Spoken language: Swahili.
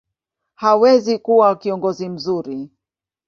hawezi kuwa kiongozi mzuri.